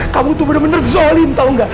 kamu tuh bener bener zolim tau gak